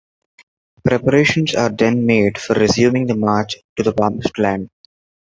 Preparations are then made for resuming the march to the Promised Land.